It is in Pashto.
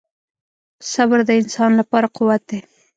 • صبر د انسان لپاره قوت دی.